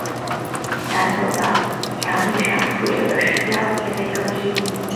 南走道墙壁上腐朽的石雕也被更新。